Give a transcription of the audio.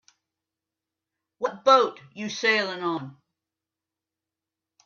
What boat you sailing on?